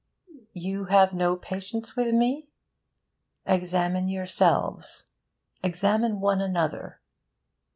You have no patience with me? Examine yourselves. Examine one another.